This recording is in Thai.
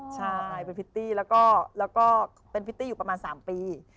ใช่เป็นพิตตี้แล้วก็เป็นพริตตี้อยู่ประมาณ๓ปี